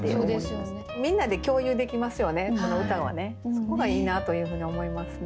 そこがいいなというふうに思いますね。